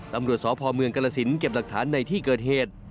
ตำรวจสพเมืองกรสินเก็บหลักฐานในที่เกิดเหตุ